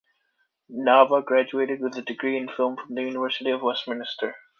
Nava graduated with a degree in film from the University of Westminster.